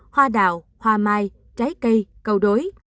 hoa đào hoa mai trái cây câu đối